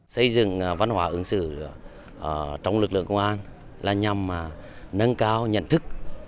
xây dựng văn hóa ứng xử trong lực lượng công an là nhằm nâng cao nhận thức